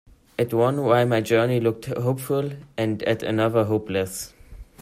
At one while my journey looked hopeful, and at another hopeless.